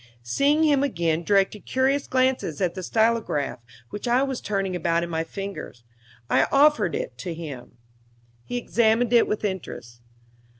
Seeing him again directing curious glances at the stylograph, which I was turning about in my fingers, I offered it to him. He examined it with interest.